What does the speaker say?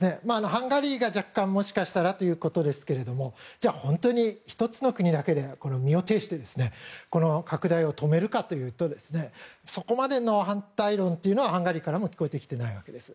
ハンガリーが若干、もしかしたらということですけどじゃあ本当に１つの国だけで身を挺して拡大を止めるかというとそこまでの反対論というのはハンガリーからも聞こえてきてないわけです。